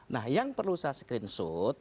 nah yang perlu saya screenshot